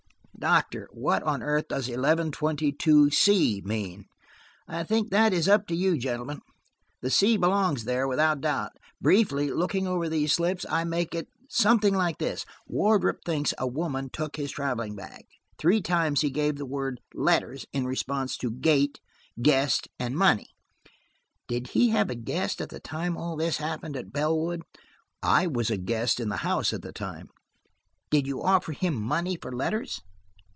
"Doctor, what on earth does 'eleven twenty two C' mean?" "I think that is up to you, gentlemen. The C belongs there, without doubt. Briefly, looking over these slips, I make it something like this: Wardrop thinks a woman took his traveling bag. Three times he gave the word 'letters,' in response to 'gate,' 'guest' and 'money.' Did he have a guest at the time all this happened at Bellwood?" "I was a guest in the house at the time." "Did you offer him money for letters?"